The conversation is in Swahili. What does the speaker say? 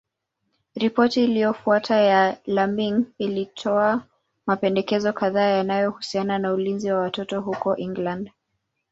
Ripoti iliyofuata ya Laming ilitoa mapendekezo kadhaa yanayohusiana na ulinzi wa watoto huko England.